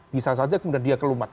bisa saja kemudian dia kelumat